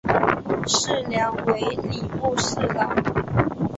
事梁为礼部侍郎。